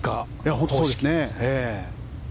本当にそうですね。